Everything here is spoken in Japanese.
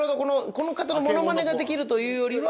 この方のモノマネができるというよりは。